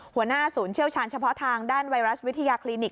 หัวหน้าศูนย์เชี่ยวชาญเฉพาะทางด้านไวรัสวิทยาคลินิก